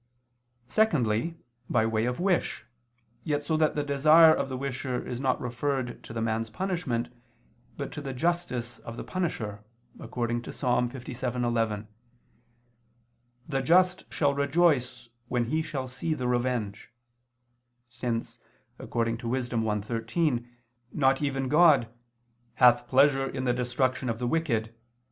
Secondly, by way of wish, yet so that the desire of the wisher is not referred to the man's punishment, but to the justice of the punisher, according to Ps. 57:11: "The just shall rejoice when he shall see the revenge," since, according to Wis. 1:13, not even God "hath pleasure in the destruction of the wicked [Vulg.